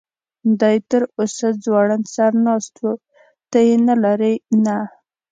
دی تراوسه ځوړند سر ناست و، ته یې نه لرې؟ نه.